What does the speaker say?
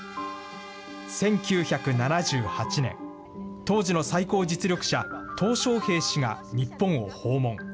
１９７８年、当時の最高実力者、とう小平氏が日本を訪問。